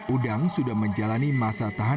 udang sudah menjalani masa tahanan